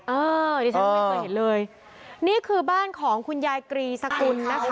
เออดิฉันไม่เคยเห็นเลยนี่คือบ้านของคุณยายกรีสกุลนะคะ